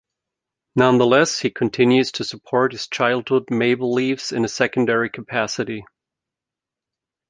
Nonetheless, he continues to support his childhood Maple Leafs in a secondary capacity.